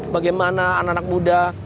bagaimana anak anak muda